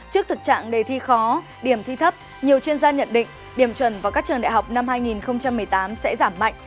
trước thực trạng đề thi khó điểm thi thấp nhiều chuyên gia nhận định điểm chuẩn vào các trường đại học năm hai nghìn một mươi tám sẽ giảm mạnh